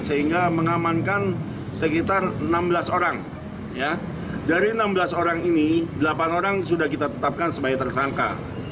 sehingga mengamankan sekitar enam belas orang dari enam belas orang ini delapan orang sudah kita tetapkan sebagai tersangka